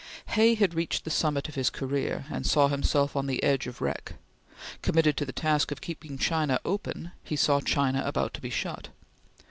Hay had reached the summit of his career, and saw himself on the edge of wreck. Committed to the task of keeping China "open," he saw China about to be shut.